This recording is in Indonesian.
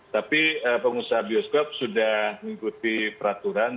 tapi pengusaha bioskop sudah mengikuti peraturan